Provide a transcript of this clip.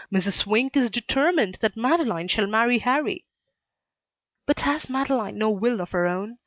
Mrs. Swink is determined that Madeleine shall marry Harrie." "But has Madeleine no will of her own?